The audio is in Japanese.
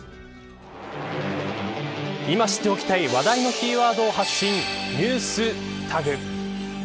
今知っておきたい話題のキーワードを発信ＮｅｗｓＴａｇ。